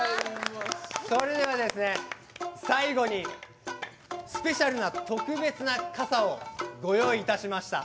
最後にスペシャルな特別な傘をご用意いたしました。